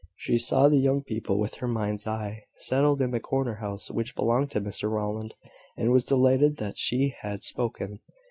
She saw the young people, with her mind's eye, settled in the corner house which belonged to Mr Rowland, and was delighted that she had spoken.